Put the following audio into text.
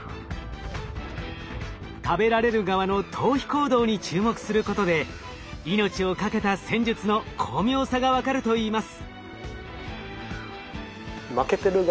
食べられる側の逃避行動に注目することで命を懸けた戦術の巧妙さが分かるといいます。